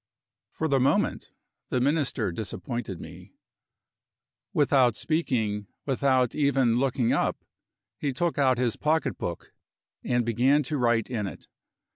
For the moment, the Minister disappointed me. Without speaking, without even looking up, he took out his pocketbook, and began to write in it.